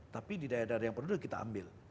tapi di daerah daerah yang perlu kita ambil